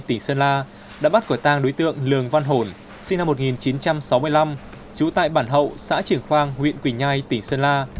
tỉnh sơn la đã bắt quả tang đối tượng lường văn hồn sinh năm một nghìn chín trăm sáu mươi năm trú tại bản hậu xã triển khoang huyện quỳnh nhai tỉnh sơn la